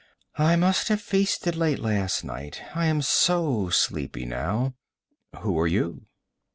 'I must have feasted late last night, I am so sleepy now. Who are you?'